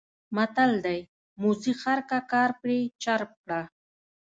متل دی: موزي خر کړه کار پرې چرب کړه.